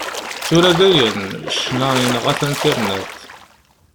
Tura dayen, ccna yenɣa-t Internet.